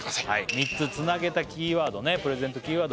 ３つつなげたキーワードねプレゼントキーワード